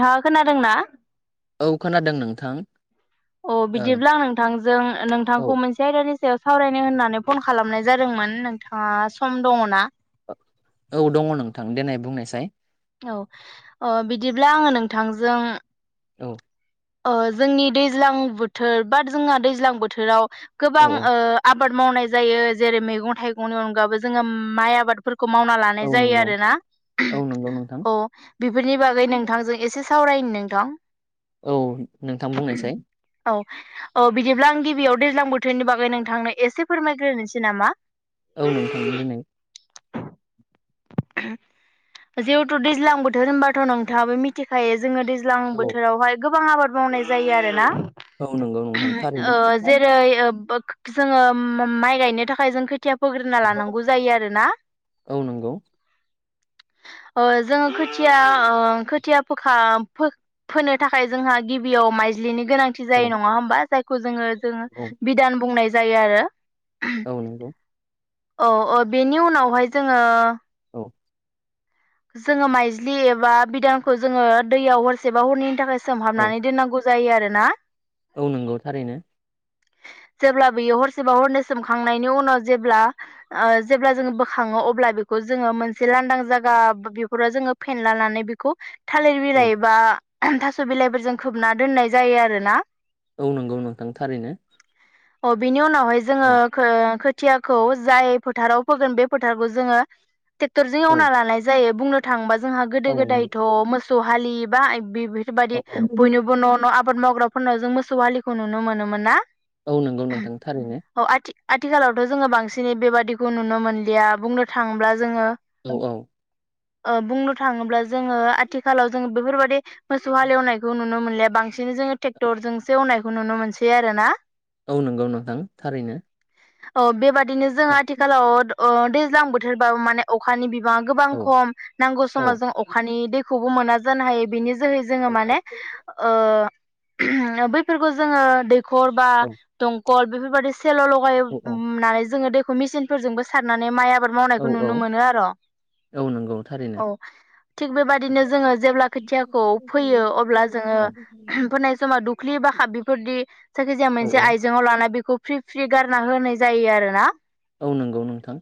नोंथाङा खोनादोंना? औ खोनादों नोंथां अ बिदिब्ला आं नोंथांजों ओ नोंथांखौ मोनसे आयदानि सायाव सावरायनो होननानै फन खालामनाय जादोंमोन नोंथाङा सम दङ ना [unintelligible] औ दङ नोंथां देनाय बुंनायसाय औ ओ बिदिब्ला आङो नोंथांजों औ ओ जोंनि दैज्लां बोथोर बा जोंहा दैज्लां बोथोराव औ गोबां औ ओ आ आबाद मावनाय जायो जेरै मेगं थाइगंनि अनगाबो जोङो माइ आबादफोर खौ मावना औ लानाय जायो नंगौ आरोना औ [unintelligible] नंगौ नोंथां औ बेफोरनि बागै नोंथांजों एसे सावरायनो नोंथां औ नोंथां बुंनायसाय औ औ बिदिब्ला आं गिबियाव दैज्लां बोथोरनि बागै नोंथांनो एसे फोरमायग्रोनोसै नामा? औ नोंथां देनाय जिहेथु दैज्लां बोथोर होनबाथ' नोंथाङाबो मिथिखायो जोङो दैज्लां औ बोथोरावहाय गोबां आबाद मावनाय जायो आरोना औ नंगौ नोंथां [unintelligible] थारैनो ओ जेर [unintelligible] जोङो माइ गायनो थाखाय जों खोथिया फोग्रोना लानांगौ जायो आरोना औ नंगौ ओ जोङो खोथिया ओ खोथिया फोखा फो फोनो थाखाय जोंहा गिबियाव माइज्लिनि गोनांथि औ जायो नङा होमबा जायखौ जोङो जोङो औ बिधान बुंनाय जायो आरो औ नंगौ औ औ बेनि उनावहाय जोङो औ जोङो माइज्लि एबा बिदानखौ जोङो दैयाव हरसेबा हरनैनि थाखाय औ सोमहाबनानै दोननांगौ जायो आरो ना औ नोंगौ थारैनो [unintelligible] जेब्ला बियो हरसेबा हरनै सोमखांनायनि उनाव जेब्ला ओ जेब्ला जोङो बोखाङो अब्ला बेखौ जोङो मोनसे लानदां जागा बेफोराव जोङो फेनलानानै बिखौ थालिर औ बिलाइ एबा थास' बिलाइफोरजों खोबना दोननाय जायो आरोना औ नंगौ नोंथां थारैनो अ बिनि उनावहाय जोङो औ खो-खो [unintelligible] थियाखौ जाय फोथाराव फोगोन बे फोथारखौ जोङो टेक्टरजों औ एवना लानाय जायो बुंनो थाङोबा जोंहा गोदो औ नंगौ गोदायथ' मोसौ हालि बा औ बेफोरबायदि औ बयनिबो न' न' आबाद मावग्रा फोरनाव जों मोसौ हालिखौ नुनो मोनोमोनना औ नंगौ नोंथां थारैनो आथिखालावथ' जोङो बांसिनै बेबादिखौ नुनो मोनलिया बुंनो थाङोब्ला जोङो औ-औ ओ बुंनो थाङोब्ला जोङो आथिखालाव जोङो बेफोरबदि मोसौ हाले एवनायखौ नुनो मोनलिया बां सिनै जोङो ट्रेक्टरजोंसो एवनायखौ नुनो मोनसै आरोना औ नंगौ नोंथां थारैनो अ बेबादिनो जों औ आथिखालाव ओ दैज्लां बोथोरबाबो माने अखानि बि गोबां औ खम नांगौ औ समाव जों अखानि दैखौबो मोना जानो हायो बेनि जोहै जोङो औ माने ओ बैफोरखौ जोङो दैखर बा औ गल बेफोरबायदि सेल' औ लगायनानै जोङो दैखौ मेसिनफोरजोंबो सारनानै माइ आ बाद औ मावनायखौ औ नुनो मोनो आर ‌ औ नंगौ थारैनो थिग बेबादिनो जोङो जेब्ला खोथियाखौ फोयो अब्ला जोङो औ फोनाय समाव दु ब्लि बा [unintelligible] बेफोरदि जायखिजाया औ मोनसे आइजेङाव लाना बेखौ फ्रि फ्रि गारना होनाय जायो आरोना औ नंगौ नोंथां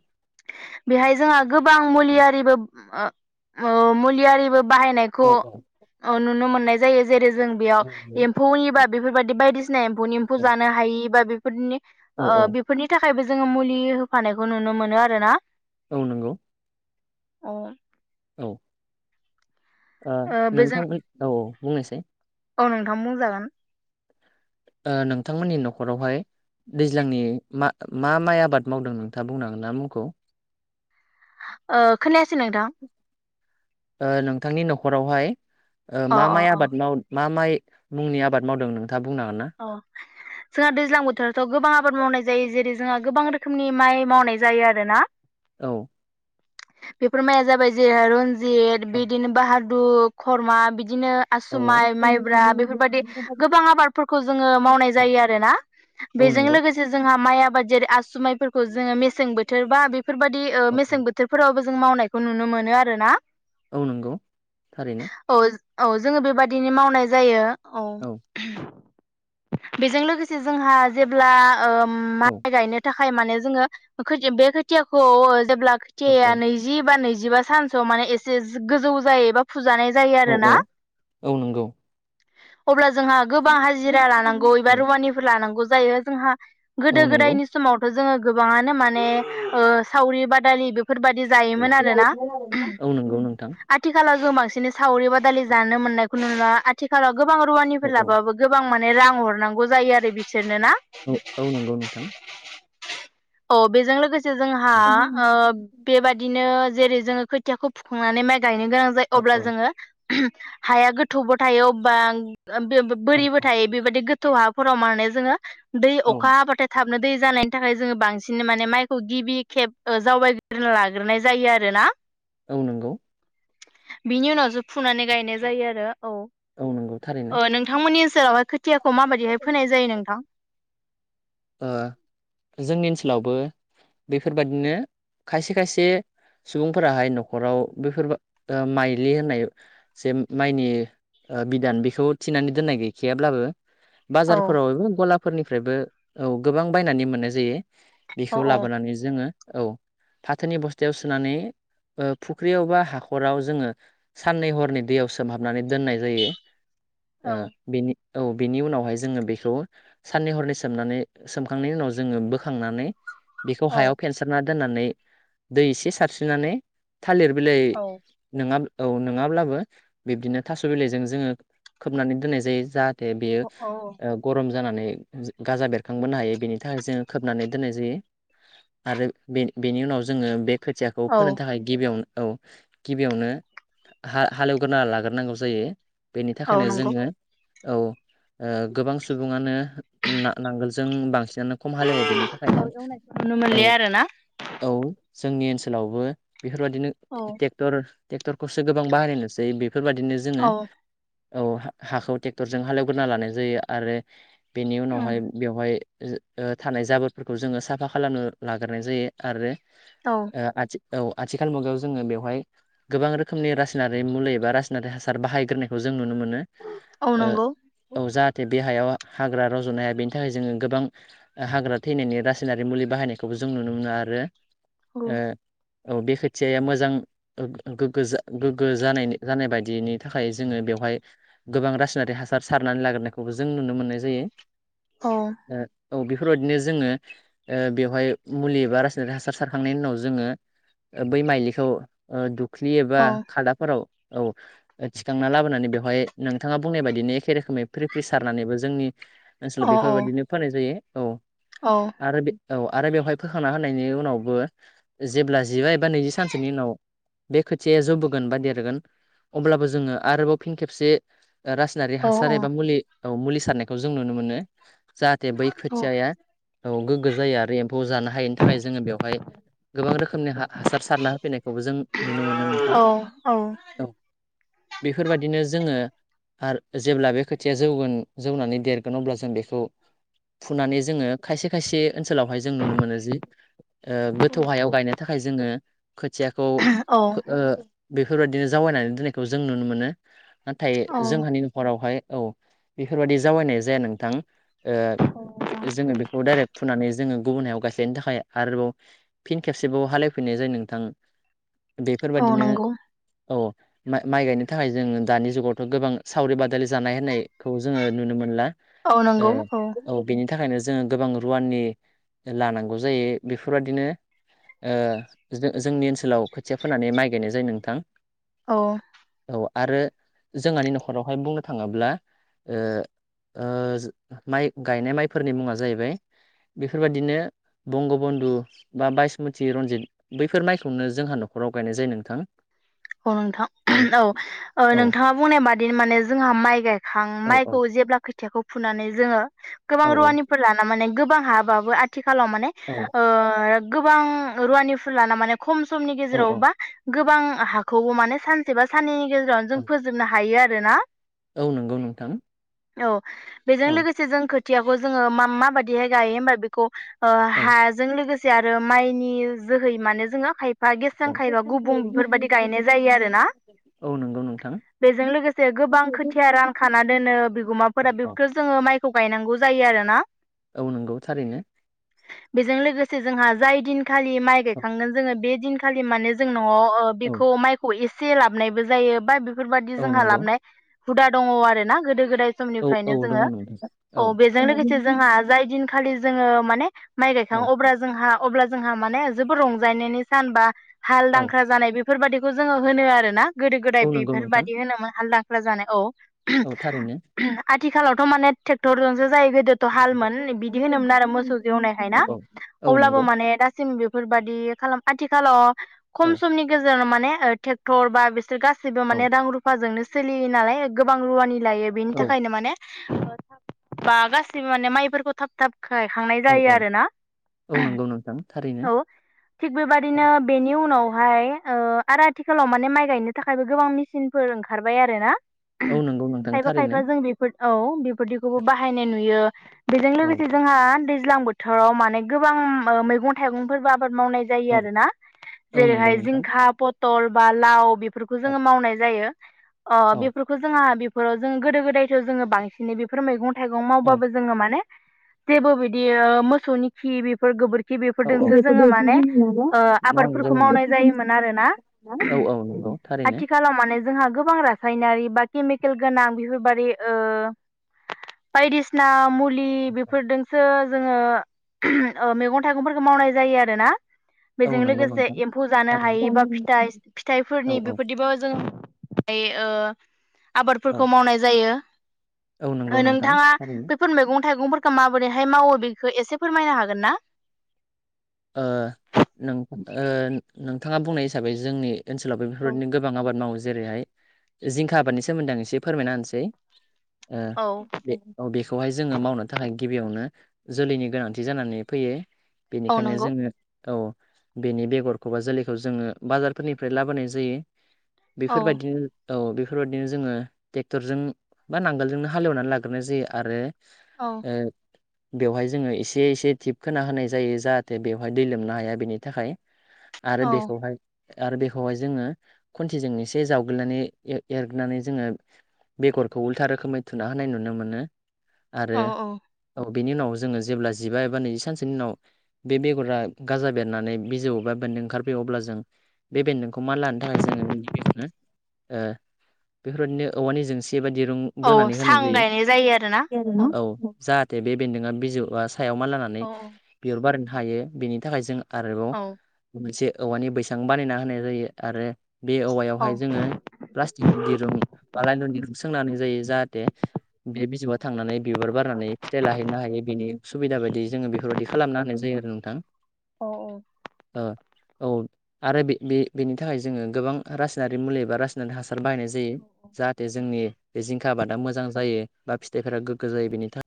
बेहाय जोंहा गोबां मुलियारिबो ओ ओ मुलियारिबो औ बाहायनायखौ औ ओ नुनो मोननाय जायो जेरै जों औ बेयाव एम्फौनिबा बेफोरबायदि बायदिसिना एम्फौनि एम्फौ जानो हायि बा बे फोरनि औ औ ओ बेफोरनि थाखायबो जोङो मुलि होफानायखौ नुनो मोनो आरोना औ नंगौ अ औ ओ बेजों नोंथां औ बुंनायसाय औ नोंथां बुंजागोन ओ नोंथांमोननि न'खरावहाय दैज्लांनि मा-मा माइ आबाद मावदों नोंथाङा बुंनांगोनना मुंखौ ओ खोनायासै नोंथां? ओ नोंथांनि न'खरावहाय ओ अ मा अ माइ अ आबाद माव मा माइ मुंनि आबाद मावदों नोंथाङा बुंनो हागोन ना औ जोंहा दैज्लां बोथोरावथ' गोबां आबाद मावनाय जायो जेरै जोंहा गोबां रो खोमनि माइ मावनाय जायो आरोना औ। बेफोर माइया जाबाय जेरै रनजित औ बिदिनो बाहादुर खरमा बिद दिनो औ आसुमाइ माइब्रा बेफोरबायदि गोबां आबाद खौ जोङो मावनाय औ जायो आरोना औ बेजों नंगौ लोगोसे जोंहा हा माइ आबाद जेरै आसुमाइफोरखौ जोङो मेसें बोथोर बा बेफोरबायदि ओ औ मेसें बोथोरफोरावबो जों मावनायखौ नुनो मोनो आरोना। औ नंगौ थारैनो। औ औ जोङो बेबादिनो मावनाय जायो औ। बेजों लोगोसे जोंहा जेब्ला ओ औ माइ गायनो थाखा खाय माने जोङो खो बे खोथियाखौ जेब्ला औ औ खोथियाया नैजि बा नैजि जिबा सानसोयाव माने एसे गोजौ जायो बा फुजानाय जायो औ आरो औ ना। औ नंगौ अब्ला जोंहा गोबां हाजिरा लानांगौ औ एबा रुवानिफोर लानांगौ जायो। जोंहा औ गोदो नंगौ गोदायनि समावथ' जोङो गोबाङानो माने ओ सावरि बादालि बे फोरबादि औ जायोमोन आरोना। औ नंगौ नोंथां आथिखालाव जों बांसिनै सावरि बादालि जानो मोननायखौ नुला। आथिखालाव गोबां औ रुवानिफोर औ लाबाबो गोबां माने रां हरनांगौ जायो आरो बिसोरनो ना? औ औ नंगौ नोंथां। अह बेजों लोगोसे जोंहा औ ओ बेबादिनो जेरै जोङो खोथियाखौ फुखांनानै माइ गायनो गोनां औ जायो अब्ला जोङो हाया गोथौबो थायो अब्बा औ बो-बो-बोरिबो थायो बेबादि गो थौ हाफोराव माने जोङो दै औ अखा हाबाथाय थाब नो दै जानायनि थाखाय जोङो बांसिन माने माइखौ गिबि खेब जावायग्रोनो लाग्रोनाय जायो आरोना। औ नंगौ। बिनि उनाव जो फुनानै गायनाय जायो आरो। औ औ नंगौ थारैनो। ओ नोंथांमोननि ओसोरावहाय खोथियाखौ माबायदिहाय फोनाय जायो नोंथां? ओ जोंनि ओनसोलावबो बेफोरबादिनो खायसे खायसे सुबुंफोराहाय न'खराव बेफोर माइलि होननाय जे माइनि ओ बिदान बेखौ थिनानै दोननाय गैखायाब्लाबो औ बाजारफोराव एबा गलाफोरनिफ्रायबो औ गोबां बायनानै मोननाय जायो। औ बेखौ औ लाबोनानै जोङो औ फाथोनि बस्थायाव सोनानै ओ फुख्रियाव बा हाखराव जोङो साननै हरनै दैयाव सोमहाबनानै दोननाय जायो। ओ औ बेनि औ बेनि उनावहाय जोङो बेखौ साननै हरनै सो सोमनानै सोमखांनायनि उनाव जोङो बोखांनानै बेखौ औ हायाव फेनसारना दोननानै दै एसे सारस्रिनानै थालिर बिलाइ औ नोङा औ नोङाब्लाबो बिब्दिनो थास' बिलाइजों जोङो खोबनानै दोननाय जायो। जाहा थे बेयो औ ओ गरम जानानै गाजा बेरखांबोनो हायो, बेनि थाखाय जों खोबनानै दोननाय जायो। आरो बे-बेनि उनाव जोङो बे खोथियाखौ फोनो औ थाखाय गिबियाव औ गिबियावनो हा-हालेवगोरना लागोरनांगौ जायो। बेनि औ थाखायनो नंगौ जोङो औ गोबां ओ सुबुङानो नां-नांगोलजों बांसि आनो खम औ हालेवो बेनि थाखायनो एवनायखौ नुनो औ मोनलिया आरो ना औ। जोंनि ओनसोलावबो बेफोरबादिनो औ टेक्टर टेक्टरखौसो गोबां बाहायनाय नुसै। बे फोरबादिनो जोङो औ औ हा-हाखौ टेक्टरजों हालेवगोरना लानाय जायो आरो बेनि उनावहाय बेवहाय ओ ओ थानाय जाबोरफोरखौ जोङो साफा खालामनो लागोरनाय जायो आरो औ आथि औ आथिखाल मुगायाव जोङो बेवहाय गोबां रोखोमनि रासायनारि मुलि एबा रासायनारि हासार बाहायगोरनायखौ जों नुनो मो नो। औ नंगौ ओ औ जाहाथे बे हायाव हाग्रा रज'नो हाया। बेनि थाखाय जोङो गोबां हाग्रा थैनायनि रासायनारि मुलि बाहायनायखौबो जों नुनो मोनो आरो औ। ओ औ बे खोथियाया मोजां गो गोग्गो जा गोग्गो जानाय जानाय बायदिनि थाखाय जोङो बेव हाय गोबां रासायनारि हासार सारनानै लागोरनायखौबो जों नुनो मोननाय जायो। अह। औ बेफोरबादिनो जोङो ओ बेवहाय मुलि एबा रासायनारि हासार सारखांनायनि उनाव जोङो बै माइलिखौ ओ दुख्लि एबा औ खादाफोराव औ थिखांना लाबोनानै बेवहाय नोंथाङा बुंनाय बादिनो एखे रोखोमै फ्रि फ्रि सारनानैबो जोंनि ओनसोल औ बेफोरबादिनो फोनाय जायो। औ औ आरो औ आरो बेवहाय फोखांना होनायनि उनावबो जेब्ला जिबा एबा नैजि सानसोनि उनाव बे खोथिया जौबोगोन बा देरगोन अब्लाबो जोङो आरोबाव फिन खेबसे रासायनारि औ हासार एबा मुलि औ मुलि सारनायखौ जों नुनो मोनो। जाहाथे बै खोथियाया औ गोग्गो जायो आरो एम्फौ जानो हायैनि थाखाय जोङो बेवहाय गोबां रोखोमनि हा-हासार सारना होफैनायखौबो जों नुनो मोनो नोंथां। औ बेफोरबादिनो जोङो आर जेब्ला बे खोथिया जौगोन जौनानै देरगोन अब्ला जों जों बेखौ फुनानै जोङो खायसे खायसे ओनसोलावहाय जों नुनो मोनो जि ओ गोथौ हायाव गायनो थाखाय जोङो खोथियाखौ औ फो ओ बेफोरबायदिनो जावैनानै दोननायखौ जों नुनो मोनो। नाथाय औ जोंहानि न'खरावहाय औ बेफोरबायदि जावायनाय जाया नोंथां। ओ जोङो बेखौ डाइरेक्ट फुनानै जोङो गुबुन हायाव गायस्लायनो थाखाय आरोबाव फिन खेबसेबाव हालेवफिननाय जायो नोंथां। औ बेफोरबादिनो नंगौ औ। माइ-माइ गायनो थाखाय जों दानि जुगावथ' गोबां सावरि बादालि जानाय होननायखौ जोङो नुनो मोनला। औ ओ नोंगौ औ। थाखायनो जोङो गोबां रुवाननि लानांगौ जायो। बेफोरबादिनो ओ जों-जोंनि ओनसोलाव खोथिया फोनानै माइ गायनाय जायो नोंथां। औ। अ आरो जोंहानि न'खरावहाय बुंनो थाङोब्ला ओ ओ जो माइ गायनाय माइफोरनि मुङा जाहैबाय बेफोरबादिनो बंग' बन्धु बा बायसमति रनजित बैफोर माइखौनो जोंहा न'खर राव गायनाय जायो नोंथां। औ नोंथां औ। ओ औ नोंथाङा बुंनाय बादि माने जोंहा माइ गायखां औ माइखौ औ जेब्ला खो थियाखौ फुनानै जोङो गोबां औ रुवानिफोर लाना माने गोबां हाबाबो आथि खालाव माने औ ओ गोबां रुवानि फोरलाना माने खम समनि औ गेजेराव औ बा गोबां हाखौबो माने सानसे बा साननैनि गेजेरावनो औ जों फोजोबनो हायो आरो रो ना। औ नोंगौ नोंथां। औ बेजों औ लोगोसे जों खोथियाखौ जोङो मा मा बाददिहाय गायो होमबा बिखौ ओ औ हाजों लोगोसे आरो माइनि जोहै माने जोङो खायफ फा औ गेसां खायफा गुबुं बिफोरबायदि गायनाय जायो आरोना। गौ नोंथां। बेजों लोगोसे गोबां खोथिया रानखाना दोनो औ बिगुमाफोरा बेफोरखो जोङो माइखौ गायनांगौ जायो आ रो ना। औ नोंगौ थारैनो। जों लोगोसे जोंहा जाय दिनखालि माइ औ गायखांगोन जोङो बे दिनखालि माने जों न'आव औ खौ माइखौ एसे लाबनायबो जायो बा बेफोरबायदि औ जोंहा नंगौ लाबनाय हुदा दङ' आरोना गोदो गोदाय औ औ समनिफ्रायनो दङ जोङो नोंथां औ बेजों लोगोसे जोंहा जाय दिनखालि जोङो माने माइ औ गायखां अब्ला जोंहा अब्ला जोंहा माने जोबोद रंजानायनि सान बा हाल औ दांख्रा जानाय बे बेफोरबादिखो जोङो होनो आरो ना गोदो औ गोदाय नंगौ नोंथां बेफोरबादि होनोमोन हालदांख्रा जानाय औ। औ थारैनो आथिखालावथ' माने ट्रेक्टरजोंसो जायो गोदोथ' औ हालमोन बिदि होनोमोन आरो मोसौ जेवनायहाय ना औ अब्लाबो नंगौ माने दासिम बे फोरबायदि खालाम आथिखालाव औ खम समनि गेजेराव माने ओ ट्रेक्टर बा सोर गासिबो औ माने रां रुफाजोंनो सोलियो नालाय गोबां रुवानि लायो औ बेनि थाखायनो माने थाब बा गासिबो माने माइफोरखौ थाब थाब गायखांनाय औ जायो आरोना। औ नंगौ नोंथां थारैनो औ थिग बेबादिनो बेनि उनाव फाय ओ आरो आथिखालाव माने माइ गायनो थाखायबो गोबां मिसिनफोर ओंखारबाय आरोना। औ [unintelligible] नंगौ नोंथां खायफा थारैनो खायफा जों बिफोर औ बिफोरदिखौबो बाहायनाय नुयो बेजों औ लोगोसे जोंहा दैज लां बोथोराव माने गोबां ओ मैगं थाइगंफोरबा बाद मावनाय जायो औ आरो ना औ नंगौ जेरैहाय नोंथां जिंखा पथल बा लाव बि फोरखौ जोङो मावनाय जायो। अ औ बिफोरखौ जोंहा बिफोराव जों गोदो गोदायथ' जोङो बांसिनै बेफोर मैगं थाइगं औ मावबाबो जोङो माने जेबो बिदि ओ मोसौनि खि बेफोर गोबोर बिफोरजोंसो जोङो बेफोरजोंसो माने जोंनिया मा आबादफोरखौ मावनाय जायो। मोन आबादफोरखौ आरोना औ औ नंगौ थारैनो आथिखालाव माने जोंहा गोबां रासायनारि बा केमिकेल गोनां बेफोरबादि ओ बायदिसिना मु लि बेफोरजोंसो जोङो मैगं थाइगंफोरखौ मावनाय जायो आरोना। औ बेजों नंगौ लोगोसे नोंथां एम्फौ जानो थारैनो हायि बा फिथा औ फिथाइफोरनि औ बेफोरदिबो जों फ्राय ओ औ आबादफोरखौ मावनाय जायो। औ नंगौ ओ नोंथां नोंथाङा थारैनो बैफोर मैगं थाइगंफोरखौ माबोरैहाय मावो बेखौ एसे फोरमायनो हागोन ना? ओ नोंथां नोंथाङा बुंनाय हिसाबै जोंनि ओनसोलाव औ बेफोरबायदि गोबां आबाद मावो जायो। जेरैहाय जिंखा आबादनि सोमोन्दै आं एसे फोरमायना होनसै। ओ बे औ बेखौहाय जोङो मावनो थाखाय गिबियावनो जोलैनि गोनांथि जानानै फैयो औ बेनिखायनो नंगौ जोङो औ बेनि बेगरखौबा जोलैखौ जोङो बाजारफोरनिफ्राय लाबोनाय जायो। औ बेफोरबायदिनो औ बेफोरबायदिनो जोङो ट्रेक्टरजों बा नांगोलजोंनो हालेवनानै लाग्रोनाय जायो आरो औ ओ बेवहाय जोङो एसे एसे दिप खोना होनाय जायो जा थे बेवहाय दै लोमनो हाया बेनि थाखाय आरो औ बेखौहाय आरो बेखौहाय जोङो खन्थिजों एसे जावग्लिनानै एर एरग'नानै जोङो बेगरखौ उल्था रोखोमै थुना होनाय नुनो मोनो। आरो औ औ। औ बेनि उनाव जोङो जेब्ला जिबा एबा नैजि सानसोनि उनाव बे बेगरा गाजा बेरनानै बिजौ बा बेन्दों ओंखारफैयो अब्ला जों बेन्दोंखौ मा लानो थाखाय जों [unintelligible] ओ बेफोरबायदिनो औवानि जेंसि बेबायदि रुं औ बोनानै होनाय सां गायनाय आरोना जायो औ जा बेन्दोंया बिजौ सायाव मान लानानै औ बिबार बारायनो हायो बेनि थाखाय जों आरोबाव औ मोनसे औवानि बैसां बानायना होनाय जायो आरो बे औ औवायावहाय जोङो प्लास्टिकनि दिरुं बा लाइलुननि दिरुं सोंनानै जायो जाहाथे बे बिजौयाव थांनानै बिबार बारनानै फिथाइ लाहैनो हायो बिनि सुबिदा बायदि जोङो बेफोरबायदि खालामना होनाय जायो। नोंथां। औ औ। ओ औ आरो बे बेनि थाखाय जोङो गोबां रासायनारि मुलि एबा रासायनारि हासा हासार बाहायनाय जायो औ जाहाथे जोंनि बे जिंखा आबादा मोजां जायो बा फिथाइफोरा गोग्गो जायो बेनि थाख